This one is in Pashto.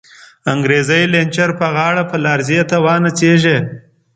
انگریزی لنچر په غاړه، په لار ځی ته وایی نڅیږی